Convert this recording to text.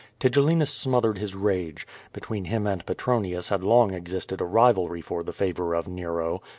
Tigellinus smothered his rage. Between him and Petronius had long existed a rivalry for the favor of Nero.